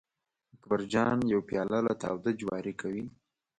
اکبر جان یو پیاله له تاوده جواري کوي.